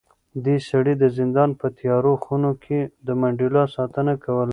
دې سړي د زندان په تیارو خونو کې د منډېلا ساتنه کوله.